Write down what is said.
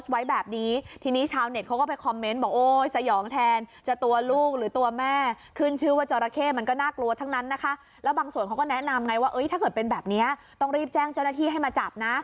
ว่าถ้าเกิดเป็นแบบนี้ต้องรีบแจ้งเจ้าหน้าที่ให้มาจับนะ